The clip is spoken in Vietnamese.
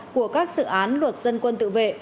của các sự án luật dân quân tự vệ